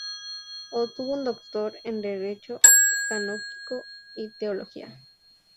Obtuvo un Doctor en Derecho Canónico y Teología.